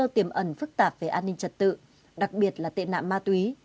nguy cơ tiềm ẩn phức tạp về an ninh trật tự đặc biệt là tệ nạ ma túy